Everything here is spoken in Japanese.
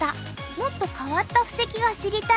「もっと変わった布石が知りたい」。